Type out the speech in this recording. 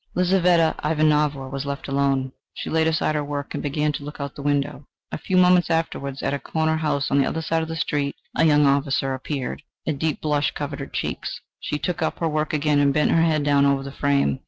Lizaveta Ivanovna was left alone: she laid aside her work and began to look out of the window. A few moments afterwards, at a corner house on the other side of the street, a young officer appeared. A deep blush covered her cheeks; she took up her work again and bent her head down over the frame.